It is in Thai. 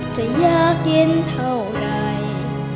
จะอยากกินเท่าไหร่